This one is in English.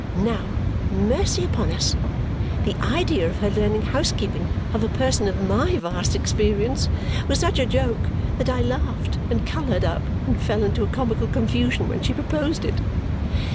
Now, mercy upon us! The idea of her learning housekeeping of a person of my vast experience was such a joke that I laughed, and coloured up, and fell into a comical confusion when she proposed it.